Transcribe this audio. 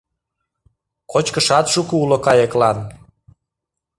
Кочкышат шуко уло кайыклан.